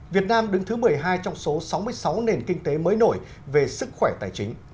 việt nam đứng thứ một mươi hai trong số sáu mươi sáu nền kinh tế mới nổi về sức khỏe tài chính